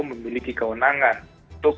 memiliki kewenangan untuk